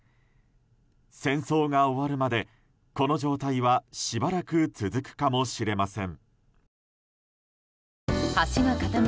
戦争が終わるまで、この状態はしばらく続くかもしれません。